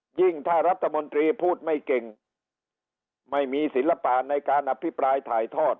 ยิ่งถ้ารัฐมนตรีพูดไม่เก่งไม่มีศิลปะในการอภิปรายถ่ายทอด